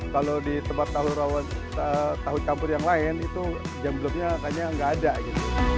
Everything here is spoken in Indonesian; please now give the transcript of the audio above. kalau di tempat tahu campur yang lain itu jemblemnya kayaknya nggak ada